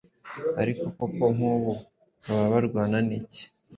Ariko koko nk ’ubu baba barwana n’iki